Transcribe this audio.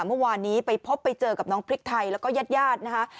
เมื่อวานนี้ไปพบไปเจอกับน้องพริกไทยแล้วก็ญาติญาตินะคะ